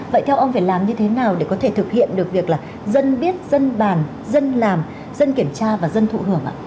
vậy theo ông phải làm như thế nào để có thể thực hiện được việc là dân biết dân bàn dân làm dân kiểm tra và dân thụ hưởng ạ